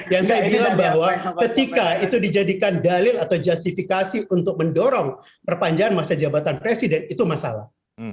yang saya bilang bahwa ketika itu dijadikan dalil atau justifikasi untuk mendorong perpanjangan masa jabatan presiden itu masalah